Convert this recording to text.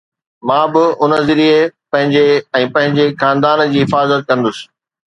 مان به ان ذريعي پنهنجي ۽ پنهنجي خاندان جي حفاظت ڪندس